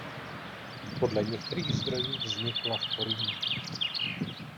Podle některých zdrojů vznikla v Porýní.